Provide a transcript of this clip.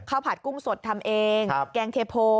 ผัดกุ้งสดทำเองแกงเทโพ